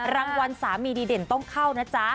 รางวัลสามีดีเด่นต้องเข้านะจ๊ะ